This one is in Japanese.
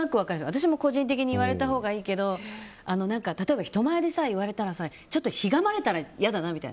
私も個人的に言われたほうがいいけど例えば人前で言われたらちょっとひがまれたら嫌だなとか。